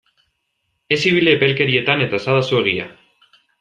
Ez ibili epelkerietan eta esadazu egia!